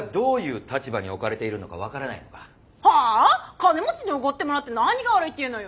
金持ちにおごってもらって何が悪いっていうのよ？